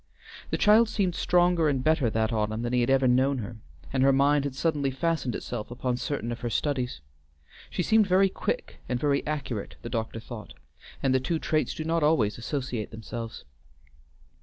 The child seemed stronger and better that autumn than he had ever known her, and her mind had suddenly fastened itself upon certain of her studies. She seemed very quick and very accurate, the doctor thought, and the two traits do not always associate themselves.